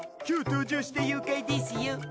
今日登場した妖怪ですよ。